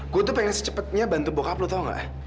gue tuh pengen secepetnya bantu bokap lo tau nggak